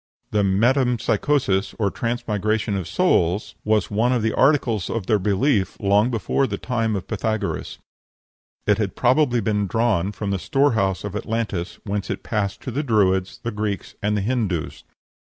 The metempsychosis or transmigration of souls was one of the articles of their belief long before the time of Pythagoras; it had probably been drawn from the storehouse of Atlantis, whence it passed to the Druids, the Greeks, and the Hindoos.